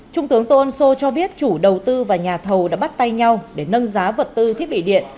trung tướng tô ân sô cho biết chủ đầu tư và nhà thầu đã bắt tay nhau để nâng giá vật tư thiết bị điện